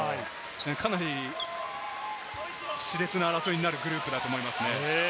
かなりし烈な争いになるグループだと思いますね。